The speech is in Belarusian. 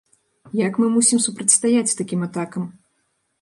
Як мы мусім супрацьстаяць такім атакам?